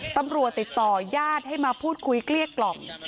ตำรวจติดต่อญาติให้มาพูดคุยเกลี้ยกล่อม